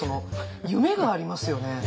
夢がありますよね。